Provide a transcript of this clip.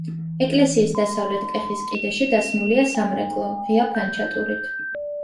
ეკლესიის დასავლეთ კეხის კიდეში დასმულია სამრეკლო, ღია ფანჩატურით.